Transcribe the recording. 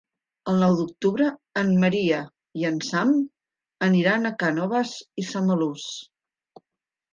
El nou d'octubre en Maria i en Sam aniran a Cànoves i Samalús.